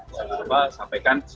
penertiban masalah apa apa sampaikan